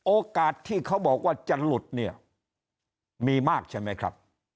โอกาสที่เขาบอกว่าจะหลุดเนี่ยมีมากใช่ไหมครับ